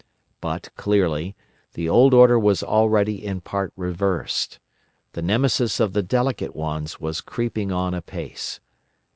But, clearly, the old order was already in part reversed. The Nemesis of the delicate ones was creeping on apace.